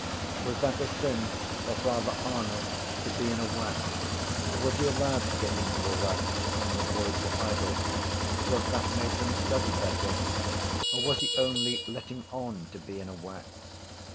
Was that a sin for Father Arnall to be in a wax or was he allowed to get into a wax when the boys were idle because that made them study better or was he only letting on to be in a wax?